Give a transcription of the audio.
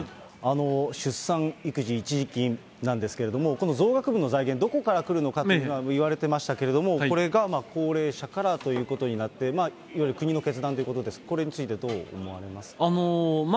出産育児一時金なんですけれども、この増額分の財源、どこから来るのかというのはいわれてましたけれども、これが高齢者からということになって、いわゆる国の決断ということですが、これについてどう思われますか？